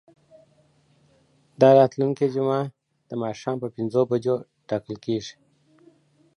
دا راتلونکې جمعه د ماښام په پنځو بجو ټاکل کیږي.